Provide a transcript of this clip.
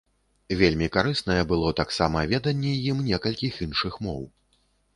Вельмі карыснае было, таксама, веданне ім некалькіх іншых моў.